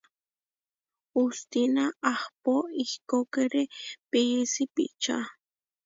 Hustína ahpó ihkókere pií sipičá.